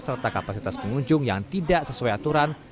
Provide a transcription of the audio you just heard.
serta kapasitas pengunjung yang tidak sesuai aturan